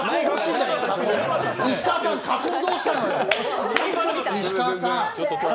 石川さん、加工どうしたのよ、石川さん。